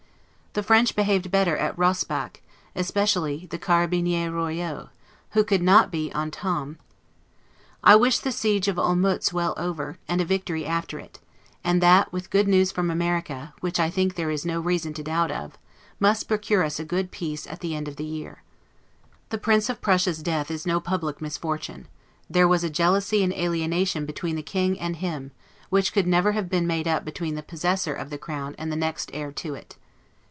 The French behaved better than at Rosbach, especially the Carabiniers Royaux, who could not be 'entames'. I wish the siege of Olmutz well over, and a victory after it; and that, with good news from America, which I think there is no reason to doubt of, must procure us a good peace at the end of the year. The Prince of Prussia's death is no public misfortune: there was a jealousy and alienation between the King and him, which could never have been made up between the possessor of the crown and the next heir to it.